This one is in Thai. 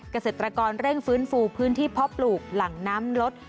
เกษตรกรเร่งฟื้นฟูพื้นที่เพาะปลูกหลังน้ำลด